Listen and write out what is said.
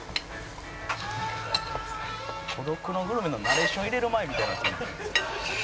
「『孤独のグルメ』のナレーション入れる前みたいになって」